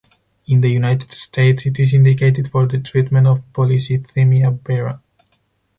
In the United States it is indicated for the treatment of polycythemia vera.